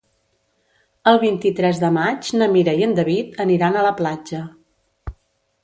El vint-i-tres de maig na Mira i en David aniran a la platja.